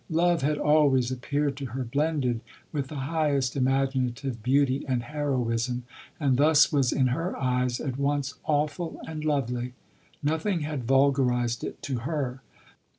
Love had always appeared to her blended with the highest ima ginative beauty and heroism, and thus was in her eyes, at once awful and lovely. Nothing had vulgarized it to her.